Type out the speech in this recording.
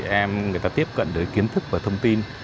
giúp chị em người ta tiếp cận được kiến thức và thông tin